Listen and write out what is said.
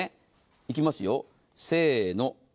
いきますよ、せーの。